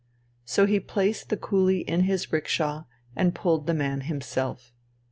So he placed the coolie in his riksha and pulled the man himself.